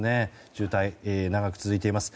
渋滞、長く続いています。